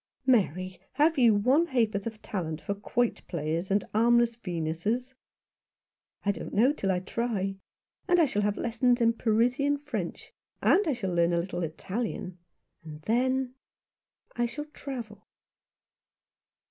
"Mary, have you one ha'porth of talent for quoit players and armless Venuses ?" "I don't know till I try. And I shall have lessons in Parisian French ; and I shall learn a little Italian ; and then — I shall travel."